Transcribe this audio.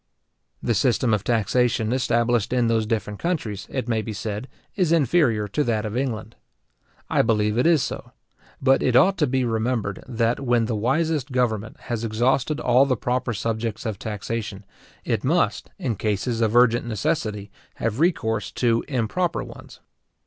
The system of taxation established in those different countries, it may be said, is inferior to that of England. I believe it is so. But it ought to be remembered, that when the wisest government has exhausted all the proper subjects of taxation, it must, in cases of urgent necessity, have recourse to improper ones.